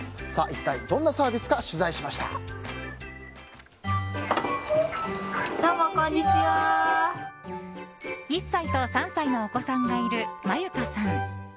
一体どんなサービスか１歳と３歳のお子さんがいるまゆかさん。